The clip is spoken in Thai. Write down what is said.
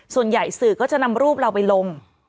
ส่วนใหญ่สื่อก็จะนำรูปเราไปลง